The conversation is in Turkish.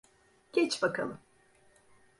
Geç bakalım.